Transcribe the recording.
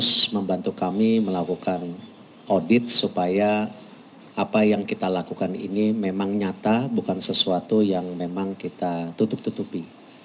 saya ingin audit supaya apa yang kita lakukan ini memang nyata bukan sesuatu yang memang kita tutup tutupi